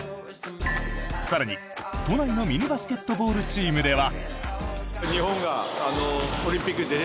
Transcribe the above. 更に、都内のミニバスケットボールチームでは。